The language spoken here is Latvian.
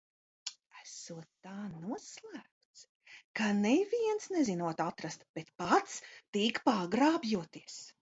Esot tā noslēpts, ka neviens nezinot atrast, bet pats tik pagrābjoties.